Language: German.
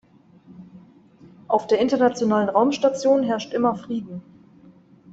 Auf der Internationalen Raumstation herrscht immer Frieden.